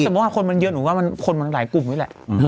มันจะบอกว่าคนมันเยอะหนูว่าคนมันหลายกลุ่มด้วยแหละ